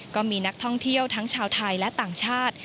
ก็มีนักท่องเที่ยวทั้งชาวไทยและต่างชาติ